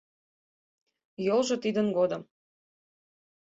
Йолжо тидын годым